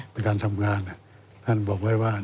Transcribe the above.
เป็นการทำงานท่านบอกไว้ว่า